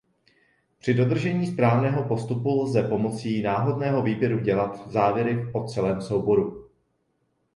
Při dodržení správného postupu lze pomocí náhodného výběru dělat závěry o celém souboru.